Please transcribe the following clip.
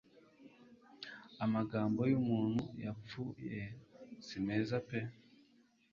Amagambo y'umuntu wapfuye simeza pe